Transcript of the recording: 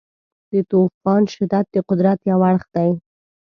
د طوفان شدت د قدرت یو اړخ دی.